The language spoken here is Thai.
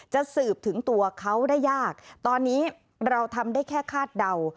จะสืบถึงตัวเขาได้ยากตอนนี้เราทำได้แค่คาดเดา